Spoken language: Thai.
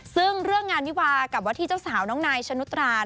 ซึ่งเรื่องงานวิวากับวัดที่เจ้าสาวน้องนายชนุตรา